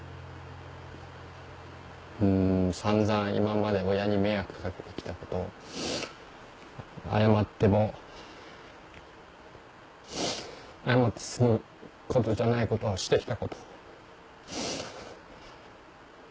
うん散々今まで親に迷惑かけてきたこと謝っても謝って済むことじゃないことはしてきたこと。